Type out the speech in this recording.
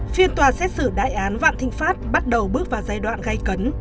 phiên tòa xét xử đại án vạn thịnh pháp bắt đầu bước vào giai đoạn gây cấn